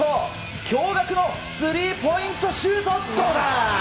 驚がくのスリーポイントシュート、どうだ。